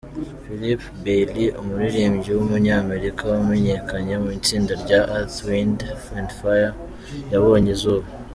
Philip Bailey, umuririmbyi w’umunyamerika wamenyekanye mu itsinda rya Earth, Wind & Fire yabonye izuba.